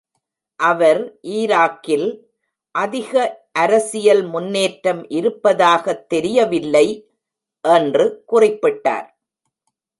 அவர் ஈராக்கில் "அதிக அரசியல் முன்னேற்றம் இருப்பதாகத் தெரியவில்லை" என்று குறிப்பிட்டார்.